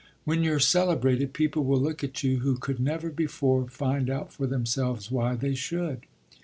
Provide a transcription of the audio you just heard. When you're celebrated people will look at you who could never before find out for themselves why they should."